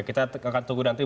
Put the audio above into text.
kita akan tunggu nanti